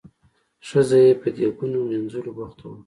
ښځه یې په دیګونو مینځلو بوخته وه.